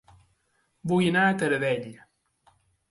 Vull anar a Taradell